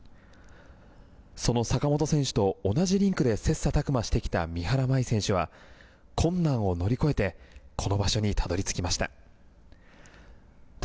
その坂本選手と同じリンクで切磋琢磨してきた三原舞依選手は困難を乗り越えてこの場所にたどり着きました。